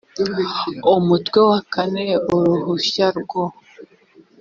umutwe wa kane uruhushya rwo